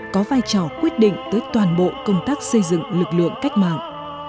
có vai trò quyết định tới toàn bộ công tác xây dựng lực lượng cách mạng